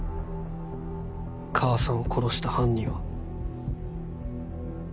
母さんを殺した犯人は